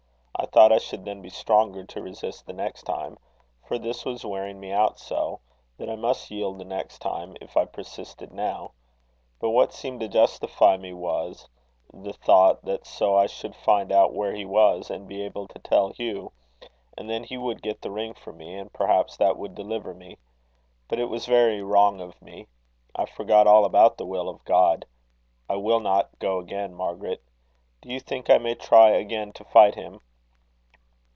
I thought I should then be stronger to resist the next time; for this was wearing me out so, that I must yield the next time, if I persisted now. But what seemed to justify me, was the thought that so I should find out where he was, and be able to tell Hugh; and then he would get the ring for me, and, perhaps that would deliver me. But it was very wrong of me. I forgot all about the will of God. I will not go again, Margaret. Do you think I may try again to fight him?"